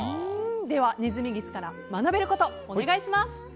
ではネズミギスから学べることお願いします。